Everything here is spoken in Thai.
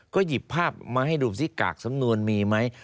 ก็หยิบภาพมาให้ดูซิกากสำนวนมีไหม